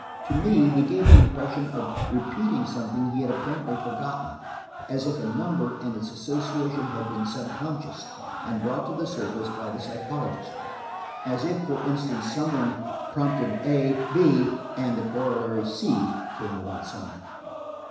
To me, he gave the impression of repeating something he had apparently forgotten. As if a number and its association had been subconscious, and brought to the surface by the psychologist; as if, for instance, some one prompted a–b, and the corollary "c" came without summoning.